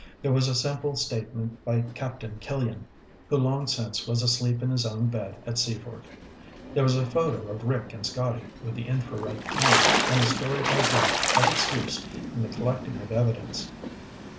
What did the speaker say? There was a simple statement by Captain Killian, who long since was asleep in his own bed at Seaford. There was a photo of Rick and Scotty with the infrared camera and a story by Duke of its use in the collecting of evidence.